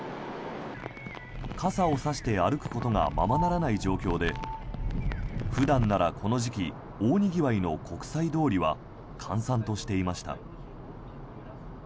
傘を差して歩くことがままならない状況で普段ならこの時期大にぎわいの国際通りは閑散としていました。